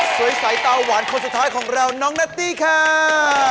สวยใสเตาหวานคนสุดท้ายของเราน้องนาตตี้ค่ะ